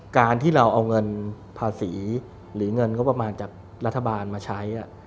การที่เราเอาเงินภาษีหรือเงินงบประมาณจากรัฐบาลมาใช้